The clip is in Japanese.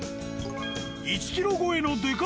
１ｋｇ超えのでか